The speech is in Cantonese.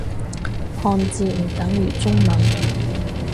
漢字唔等於中文